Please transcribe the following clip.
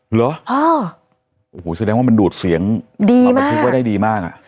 เหรอโอ้โหแสดงว่ามันดูดเสียงดีบันทึกไว้ได้ดีมากอ่ะ